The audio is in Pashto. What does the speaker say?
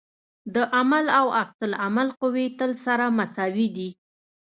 د عمل او عکس العمل قوې تل سره مساوي دي.